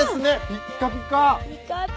ピカピカ！